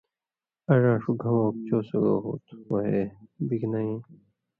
اڙاں ݜُو گھَؤں اوک چو سُگاؤ ہوُئ تُھو ووئے بِگ نَیں یی؟